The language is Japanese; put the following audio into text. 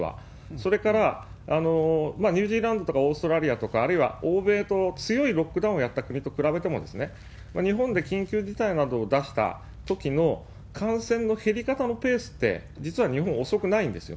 それから、ニュージーランドとかオーストラリアとか、あるいは欧米等、強いロックダウンをやった国と比べても、日本で緊急事態などを出したときの感染の減り方のペースって、実は日本、遅くないんですよ。